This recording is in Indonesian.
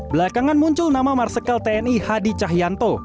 belakangan muncul nama marsikal tni hadi cahyanto